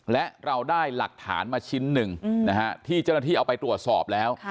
และเราได้หลักฐานมาชิ้นหนึ่งที่เจ้าหน้าที่เอาไปตรวจสอบแล้ว